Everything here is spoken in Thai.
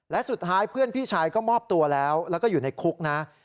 และสุดท้ายเพื่อนพี่ชายก็มอบตัวแล้วแล้วก็อยู่ในคุกนะ